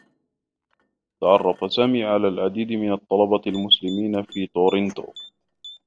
تعرّف سامي على العديد من الطّلبة المسلمين في تورونتو.